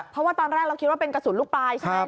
เพราะว่าตอนแรกเราคิดว่าเป็นกระสุนลูกปลายใช่ไหม